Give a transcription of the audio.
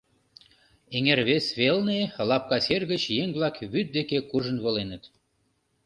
Эҥер вес велне лапка сер гыч еҥ-влак вӱд деке куржын воленыт.